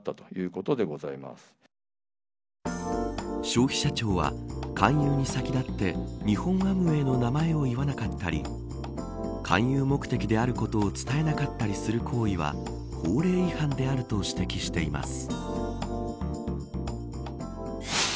消費者庁は勧誘に先立って日本アムウェイの名前を言わなかったり勧誘目的であることを伝えなかったりする行為は法令違反であると指摘しています。